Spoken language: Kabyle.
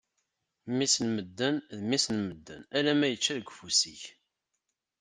Mmi-s n medden, d mmi-s n medden, alemma yečča deg ufus-ik.